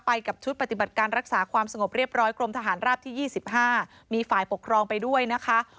กับชุดปฏิบัติการรักษาความสงบเรียบร้อยกรมทหารราบที่๒๕มีฝ่ายปกครองไปด้วยนะคะ